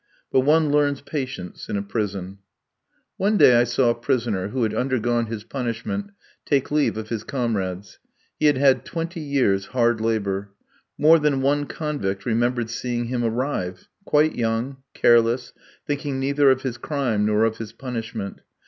But one learns patience in a prison. One day I saw a prisoner, who had undergone his punishment, take leave of his comrades. He had had twenty years' hard labour. More than one convict remembered seeing him arrive, quite young, careless, thinking neither of his crime nor of his punishment.